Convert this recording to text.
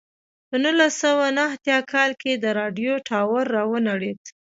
په نولس سوه نهه اتیا کال کې د راډیو ټاور را ونړېد.